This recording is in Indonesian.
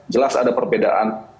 jelas ada perbedaan